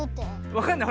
わかんない？